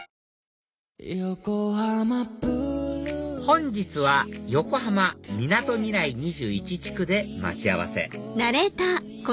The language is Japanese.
本日は横浜みなとみらい２１地区で待ち合わせ